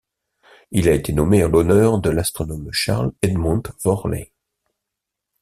Il a été nommé en l'honneur de l'astronome Charles Edmund Worley.